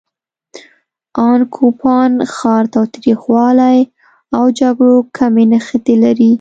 ان کوپان ښار تاوتریخوالي او جګړو کمې نښې لري.